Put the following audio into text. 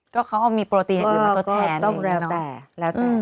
ก็เขามีโปรตีนอื่นมาตัวแทนเองเนอะอืมมันต้องแล้วแต่แล้วแต่